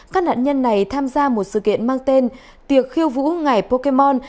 các nạn nhân này tham gia một sự kiện mang tên tiệc khiêu vũ ngài pokemon